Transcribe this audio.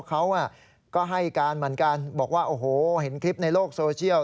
เขาก็ให้การเหมือนกันบอกว่าโอ้โหเห็นคลิปในโลกโซเชียล